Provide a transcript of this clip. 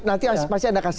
nanti masih ada